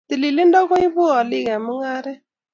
Tililindo koibu olik eng mung'aret